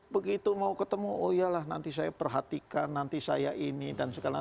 begitu mau ketemu oh ya lah nanti saya perhatikan nanti saya ini dan segala